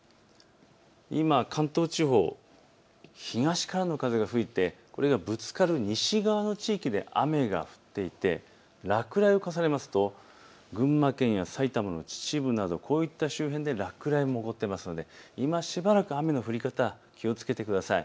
今、関東地方、東からの風が吹いてこれがぶつかる西側の地域で雨が降っていて落雷を重ねますと群馬県や埼玉の秩父などこういった周辺で落雷も起こっていますので今しばらく雨の降り方、気をつけてください。